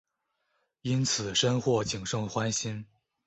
因此深获景胜欢心。